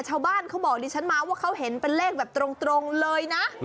เขาบอกดิฉันมาว่าเขาเห็นเป็นเลขแบบตรงเลยนะ